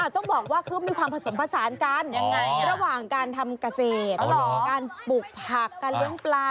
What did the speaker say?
ต้องบอกว่าเขามีความผสมผสานกันระหว่างการทำเกษตรการปลูกผักการเลี้ยงปลา